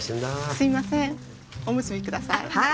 すみませんおむすびください。